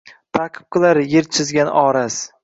Taʼqib qilar yer chizgan oraz